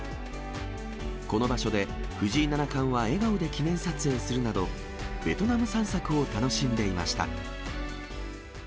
この場所で、藤井七冠は笑顔で記念撮影するなど、ベトナム散策を楽しんでいました。